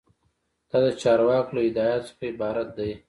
دا د چارواکو له هدایاتو څخه عبارت دی.